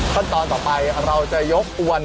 ขั้นตอนต่อไปเราจะยกอวน